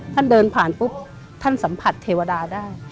เดินผ่านปุ๊บท่านสัมผัสเทวดาได้